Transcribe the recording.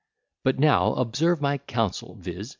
But now observe my counsel, _(viz.)